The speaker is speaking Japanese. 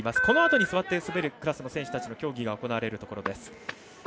このあとに座って滑るクラスの競技が行われるところです。